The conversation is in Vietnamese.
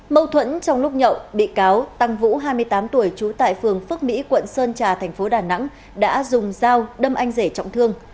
mâu thuẫn trong lúc nhậu bị cáo tăng vũ hai mươi tám tuổi trú tại phường phước mỹ quận sơn trà thành phố đà nẵng đã dùng dao đâm anh rể trọng thương